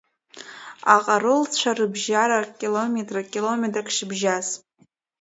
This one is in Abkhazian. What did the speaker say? Аҟарулцәа рыбжьара километрак-километрак шыбжьаз.